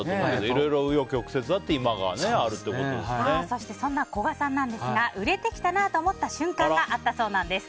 いろいろ紆余曲折あってそんな、こがさんなんですが売れてきたなと思った瞬間があったそうです。